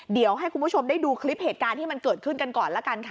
เดี๋ยวให้คุณผู้ชมได้ดูคลิปเหตุการณ์ที่มันเกิดขึ้นกันก่อนละกันค่ะ